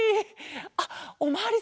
あっおまわりさん。